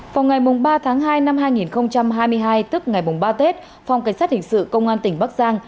vào ngày ba tháng hai năm hai nghìn hai mươi hai tức ngày ba tết phòng cảnh sát hình sự công an tỉnh bắc giang